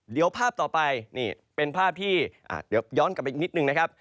เดี๋ยวภาพต่อไปนี่เป็นภาพที่เดี๋ยวย้อนกลับไปอีกนิดนึงนะครับ